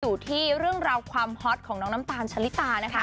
อยู่ที่เรื่องราวความฮอตของน้องน้ำตาลชะลิตานะคะ